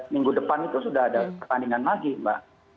minggu depan itu sudah ada pertandingan lagi mbak